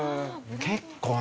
結構ね。